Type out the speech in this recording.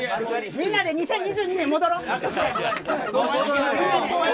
みんなで２０２２年に戻ろう！